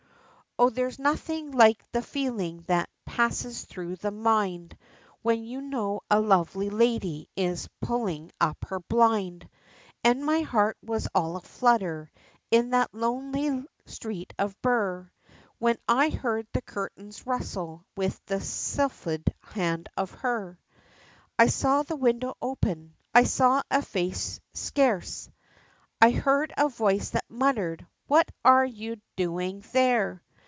O there's nothing like the feeling that passes through the mind When you know a lovely lady is pulling up her blind, And my heart was all a flutter, in that lonely street of Birr, When I heard the curtains rustle, with the sylphid hand of her. I saw the window open, I saw a face to scarce! I heard a voice that muttered "What are ye doin' there?"